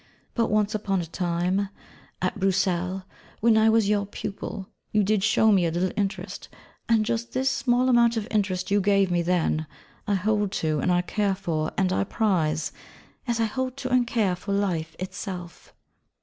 But once upon a time, at Bruxelles, when I was your pupil, you did show me a little interest: and just this small amount of interest you gave me then, I hold to and I care for and prize, as I hold to and care for life itself....